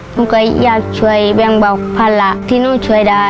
นุ้งก็อยากช่วยแบ่งบับภาระที่นุ้งช่วยได้